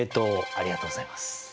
ありがとうございます。